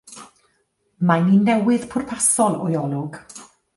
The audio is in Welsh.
Mae'n un newydd pwrpasol o'i olwg.